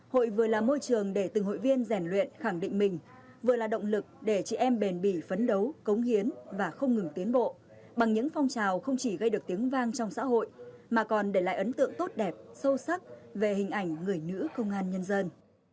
hội vừa là môi trường để từng hội viên rèn luyện khẳng định mình vừa là động lực để chị em bền bỉ phấn đấu cống hiến và không ngừng tiến bộ bằng những phong trào không chỉ gây được tiếng vang trong xã hội mà còn để lại ấn tượng tốt đẹp sâu sắc về hình ảnh người nữ công an nhân dân